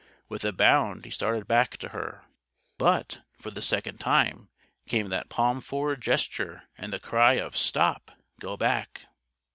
With a bound he started back to her. But, for the second time, came that palm forward gesture and the cry of "Stop! Go _back!